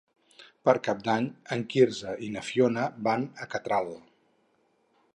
Per Cap d'Any en Quirze i na Fiona van a Catral.